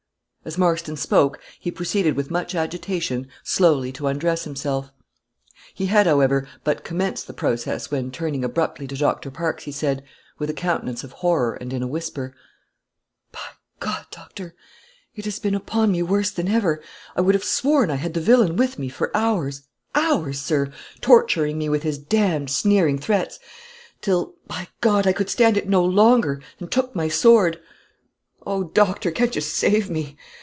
As Marston spoke, he proceeded with much agitation slowly to undress himself. He had, however, but commenced the process, when, turning abruptly to Doctor Parkes, he said, with a countenance of horror, and in a whisper "By , doctor, it has been upon me worse than ever, I would have sworn I had the villain with me for hours hours, sir torturing me with his damned sneering threats; till, by , I could stand it no longer, and took my sword. Oh, doctor, can't you save me?